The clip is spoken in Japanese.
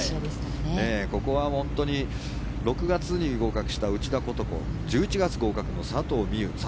ここは本当に６月に合格した内田ことこ１１月合格の佐藤心結。